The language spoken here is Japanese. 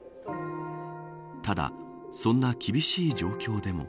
ただ、そんな厳しい状況でも。